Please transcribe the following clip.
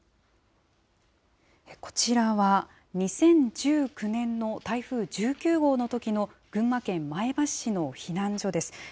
こちらは、２０１９年の台風１９号のときの群馬県前橋市の避難所です。